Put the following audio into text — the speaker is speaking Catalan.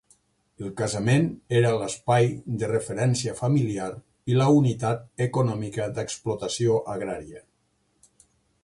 El casament era l'espai de referència familiar i la unitat econòmica d'explotació agrària.